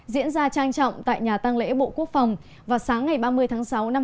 diễn ra trang trọng tại nhà tăng lễ bộ quốc phòng vào sáng ngày ba mươi tháng sáu năm hai nghìn hai mươi